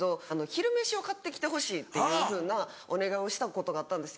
昼飯を買って来てほしいっていうふうなお願いをしたことがあったんですけど。